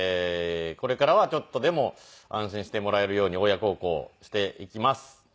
これからはちょっとでも安心してもらえるように親孝行していきます。